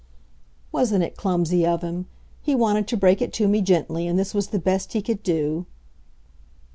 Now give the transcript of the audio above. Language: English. Wasn't it clumsy of him? He wanted to break it to me gently, and this was the best he could do.